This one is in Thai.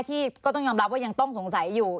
ก็ต้องยอมรับว่ายังต้องสงสัยอยู่